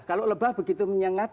kalau lebah begitu menyengat